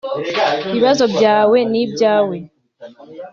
ibibazo byawe ni ibyawe